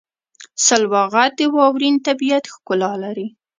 سلواغه د واورین طبیعت ښکلا لري.